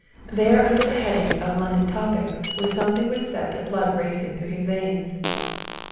There under the heading of London Topics was something which set the blood racing through his veins.